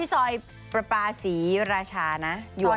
ซอยประปาศรีราชานะ